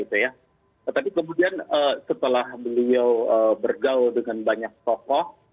tapi kemudian setelah beliau bergaul dengan banyak tokoh